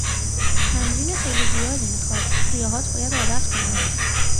تمرین خیلی زیادی میخواد ریههات باید عادت کنن